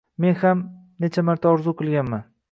Men ham… necha marta orzu qilganman.